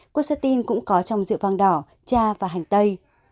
kotin cũng có trong rượu vang đỏ cha và hành tây